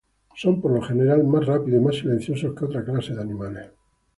Son por lo general más rápidos y más silenciosos que otras clases de animales.